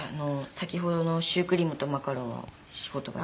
先ほどのシュークリームとマカロンを仕事場に。